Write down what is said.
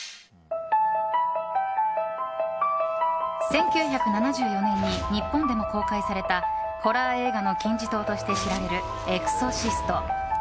１９７４年に日本でも公開されたホラー映画の金字塔として知られる「エクソシスト」。